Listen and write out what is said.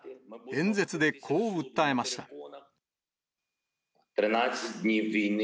演説でこう訴えました。